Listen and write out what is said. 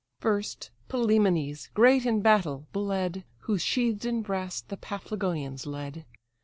First, Pylæmenes, great in battle, bled, Who sheathed in brass the Paphlagonians led.